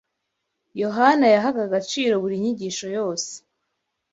Yohana yahaga agaciro buri nyigisho yose,